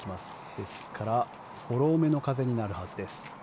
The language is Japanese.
ですから、フォローめの風になるはずです。